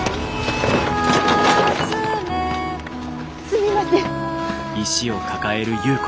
すみません。